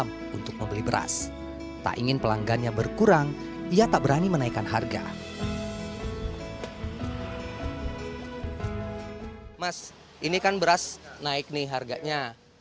mas ini kan beras naik nih harganya